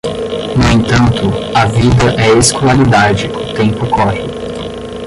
No entanto, a vida é escolaridade, o tempo corre.